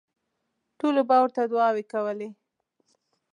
ټولو به ورته دوعاوې کولې.